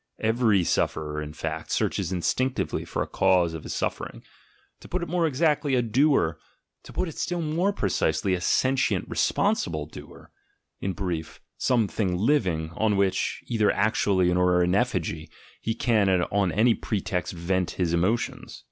Every sufferer, in fact, searches instinctively for a cause of his suffering; to put it more exactly, a doer, — to put it still more precisely, a sentient responsible doer, — in brief, something living, on which, either actually or in effigy, he can on any pretext vent his emotions.